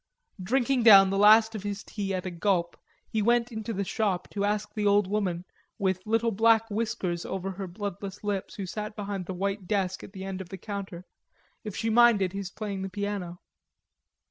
Drinking down the last of his tea at a gulp, he went into the shop to ask the old woman, with little black whiskers over her bloodless lips, who sat behind the white desk at the end of the counter, if she minded his playing the piano.